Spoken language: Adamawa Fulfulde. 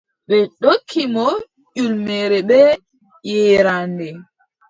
Ɓe ndokki mo ƴulmere bee yeeraande.